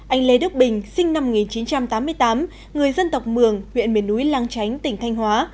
anh lê đức bình sinh năm một nghìn chín trăm tám mươi tám người dân tộc mường huyện miền núi lang chánh tỉnh thanh hóa